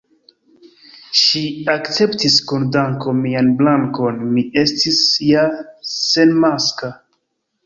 Ŝi akceptis kun danko mian brakon: mi estis ja senmaska.